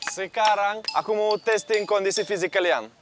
sekarang aku mau testing kondisi fisik kalian